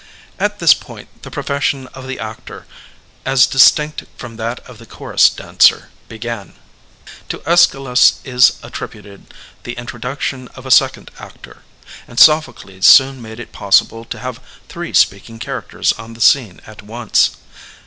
At this point the profession of the actor, as distinct from that of the chorus dancer, began. To jEschylus is attributed the introduction of a second actor, and Sophocles soon made it possible to have three speaking characters on the scene at once.